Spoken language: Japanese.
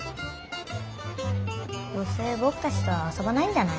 どうせぼくたちとはあそばないんじゃない？